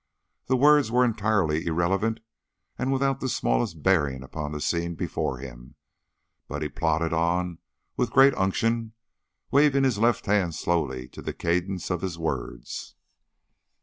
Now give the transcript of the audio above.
The words were entirely irrelevant and without the smallest bearing upon the scene before him, but he plodded on with great unction, waving his left hand slowly to the cadence of his words.